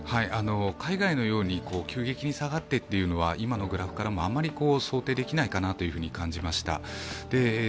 海外のように、急激に下がってというのは今のグラフからも、あまり想定できないかなと感じました。